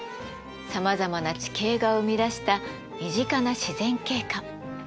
さまざまな地形が生み出した身近な自然景観。